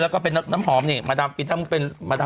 แล้วก็น้ำหอมมาดำเป็นรุ่นธรรมดา